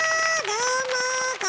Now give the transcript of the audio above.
どうも。